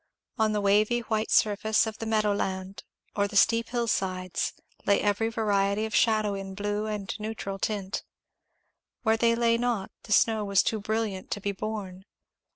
On the wavy white surface of the meadow land, or the steep hill sides, lay every variety of shadow in blue and neutral tint; where they lay not the snow was too brilliant to be borne.